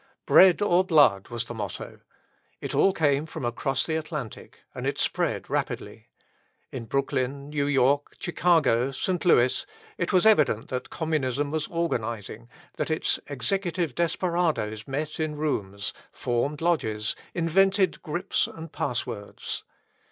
"Bread or blood" was the motto. It all came from across the Atlantic, and it spread rapidly. In Brooklyn, New York, Chicago, St. Louis, it was evident that Communism was organising, that its executive desperadoes met in rooms, formed lodges, invented grips and pass words.